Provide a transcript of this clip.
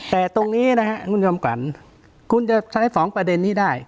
แต่ตรงนี้นะฮะคุณจำก่อนคุณจะใช้สองประเด็นนี้ได้